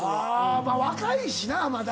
あ若いしなまだ。